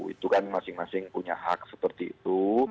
itu kan masing masing punya hak seperti itu